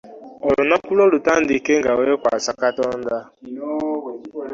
Olunaku lwo lutandike nga weekwasa Katonda.